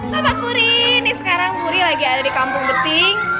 bapak puri nih sekarang puri lagi ada di kampung beting